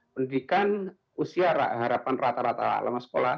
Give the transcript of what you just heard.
pendidikan usia harapan rata rata lama sekolah